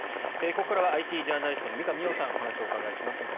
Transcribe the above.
ここからはＩＴジャーナリストの三上洋さんにお話をお伺いします。